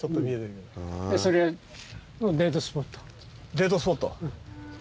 デートスポット。